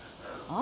あ